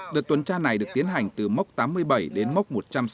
đợt tuần tra này được tiến hành từ mốc tám mươi bảy đến mốc một trăm sáu mươi